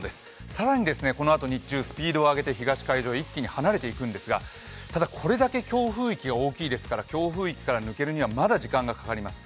更にこのあと日中、スピードを上げて東海上一気に離れていくんですが、ただこれだけ強風域が大きいですから強風域から抜けるにはまだ時間がかかります。